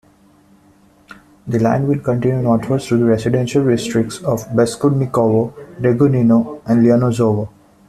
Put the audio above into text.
The line will continue northwards to the residential districts of Beskudnikovo, Degunino and Lianozovo.